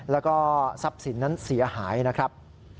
แล้วก็ทรัพย์สินนั้นเสียหายนะครับ